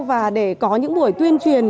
và để có những buổi tuyên truyền